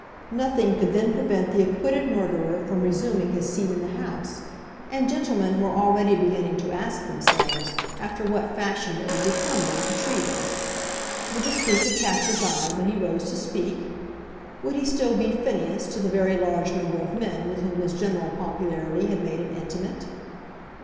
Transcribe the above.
Nothing could then prevent the acquitted murderer from resuming his seat in the House, and gentlemen were already beginning to ask themselves after what fashion it would become them to treat him. Would the Speaker catch his eye when he rose to speak? Would he still be "Phineas" to the very large number of men with whom his general popularity had made him intimate?